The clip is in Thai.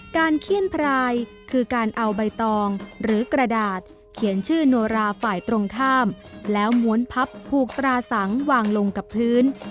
เขี้ยนพรายคือการเอาใบตองหรือกระดาษเขียนชื่อโนราฝ่ายตรงข้ามแล้วม้วนพับผูกตราสังวางลงกับพื้น